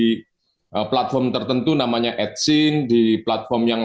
nah ini bisa menimbulkan kalau di platform tertentu namanya adsense di platform yang